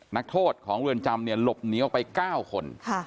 นักโทษของเรือนจำเนี่ยหลบหนีออกไป๙คน